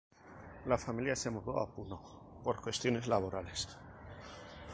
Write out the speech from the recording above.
La familia se mudó a Puno por cuestiones laborales.